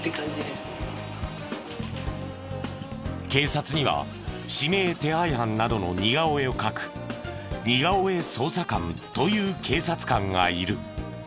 警察には指名手配犯などの似顔絵を描く似顔絵捜査官という警察官がいる。